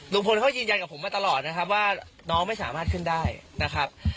ลุงพลเขายืนยันกับผมมาตลอดนะครับว่าน้องไม่สามารถขึ้นได้นะครับ